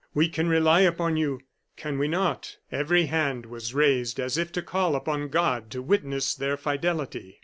We can rely upon you, can we not?" Every hand was raised as if to call upon God to witness their fidelity.